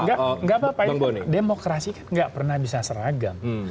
gak apa apa demokrasi kan gak pernah bisa seragam